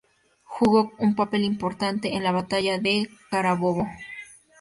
Jugó un papel importante en La batalla de Carabobo.